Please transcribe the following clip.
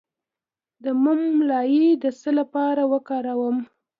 د موم لایی د څه لپاره وکاروم؟